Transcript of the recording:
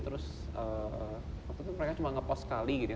terus waktu itu mereka cuma ngepost sekali gitu ya